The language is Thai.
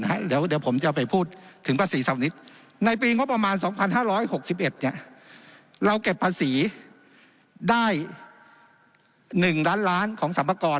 แต่เราไปคือนิกเวียง